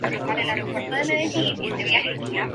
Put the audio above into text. Previamente jugó con los Cincinnati Bengals de la misma liga.